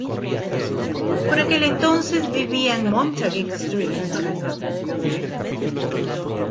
Por aquel entonces vivía en Montague Street.